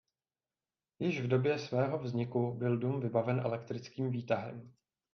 Již v době svého vzniku byl dům vybaven elektrickým výtahem.